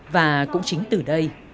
và cũng chính từ đây